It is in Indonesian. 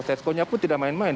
tesconya pun tidak main main